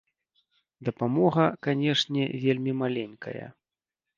Дапамога, канешне, вельмі маленькая.